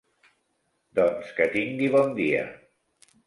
Doncs que tingui bon dia.